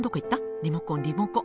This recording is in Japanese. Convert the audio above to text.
リモコンリモコン。